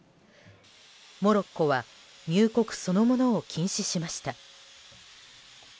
モロッコは入国そのものを禁止しました。